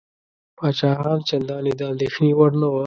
پاچاهان چنداني د اندېښنې وړ نه وه.